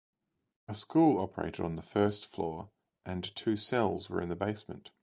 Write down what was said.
A school operated on the first floor, and two cells were in the basement.